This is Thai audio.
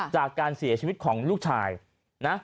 จากการเสียชีวิตของลูกชายนะ